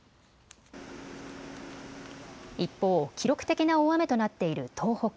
一方、記録的な大雨となっている東北。